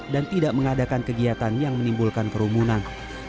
dan tidak mengadakan kegiatan yang menimbulkan kerumunan